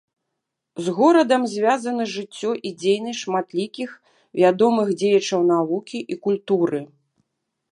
З горадам звязаны жыццё і дзейнасць шматлікіх вядомых дзеячаў навукі і культуры.